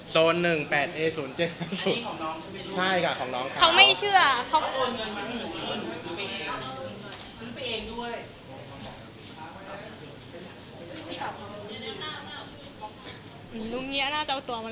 โซนหนึ่งแปดเอ้สูนเจ็ดสี่ประมาณสุดใช่ค่ะของน้องเขาไม่เชื่อเขา